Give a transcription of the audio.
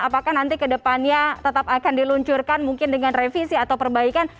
apakah nanti ke depannya tetap akan diluncurkan mungkin dengan revisi atau perbaikan